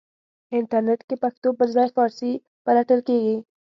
انټرنېټ کې پښتو پرځای فارسی پلټل کېږي.